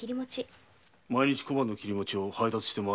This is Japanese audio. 毎日小判の切餅を配達して回るのか？